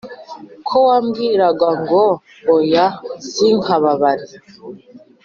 ko wambwiraga ngo oya sinkababare